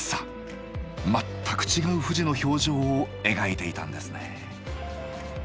全く違う富士の表情を描いていたんですね。